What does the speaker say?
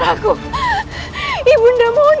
aku sudah selesai